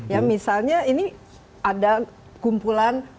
ya misalnya ini ada kumpulan orang begitu begitu